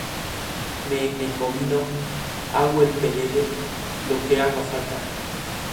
Rumania es uno de los principales productores y exportadores de productos agrícolas de Europa.